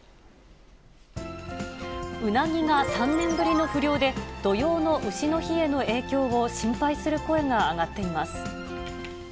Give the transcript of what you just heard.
うなぎが３年ぶりの不漁で、土用のうしの日への影響を心配する声が上がっています。